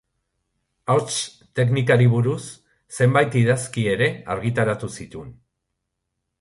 Ahots-teknikari buruz zenbait idazki ere argitaratu zituen.